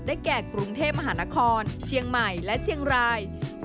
แก่กรุงเทพมหานครเชียงใหม่และเชียงราย